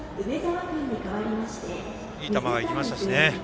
いい球がいきましたしね。